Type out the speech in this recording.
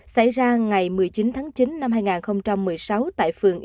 xảy ra ngày một mươi chín tháng chín năm hai nghìn một mươi sáu tại phường yên